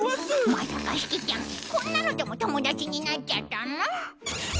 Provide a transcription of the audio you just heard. まさかシキちゃんこんなのとも友達になっちゃったの？